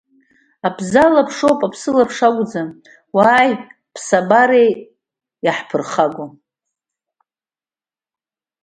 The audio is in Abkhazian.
Абзалаԥшоуп, аԥсылаԥш акәӡам, уааи ԥсабареи иаҳԥырхагоу.